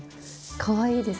かわいいです。